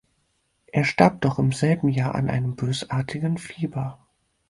Er starb dort im selben Jahr an einem bösartigen Fieber.